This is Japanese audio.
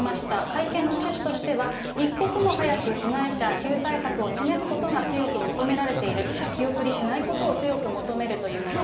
会見の趣旨としては、一刻も早く被害者救済策を示すことが強く求められている、先送りしないことを強く求めるというもの。